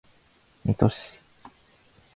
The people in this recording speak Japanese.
水戸市